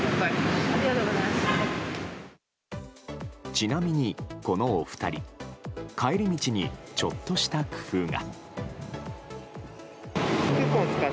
ちなみに、このお二人帰り道にちょっとした工夫が。